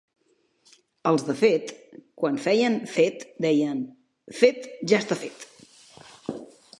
Els de Fet, quan feien Fet deien: «Fet ja està fet!».